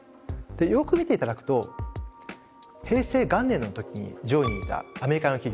よく見て頂くと平成元年の時に上位にいたアメリカの企業